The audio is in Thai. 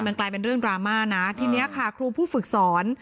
มันกลายเป็นเรื่องดราม่านะทีนี้ค่ะครูผู้ฝึกสอน